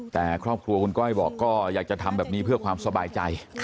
แต่ครอบครัวคุณก้อยบอกก็อยากจะทำแบบนี้เพื่อความสบายใจ